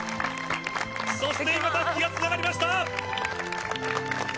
そして今、たすきがつながりました。